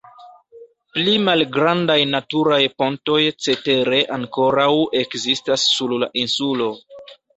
Pli malgrandaj naturaj pontoj cetere ankoraŭ ekzistas sur la insulo.